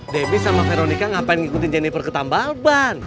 debbie sama veronica ngapain ngikutin jennifer ke tambalban